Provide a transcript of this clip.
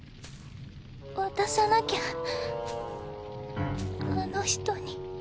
渡さなきゃあの人に。